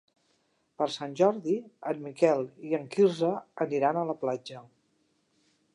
Per Sant Jordi en Miquel i en Quirze aniran a la platja.